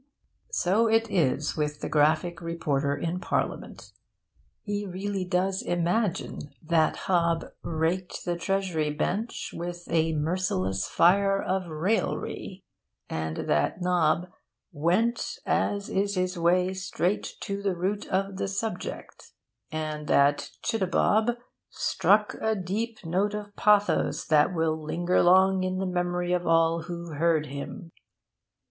So it is with the graphic reporter in Parliament. He really does imagine that Hob 'raked the Treasury Bench with a merciless fire of raillery,' and that Nob 'went, as is his way, straight to the root of the subject,' and that Chittabob 'struck a deep note of pathos that will linger long in the memory of all who heard him.'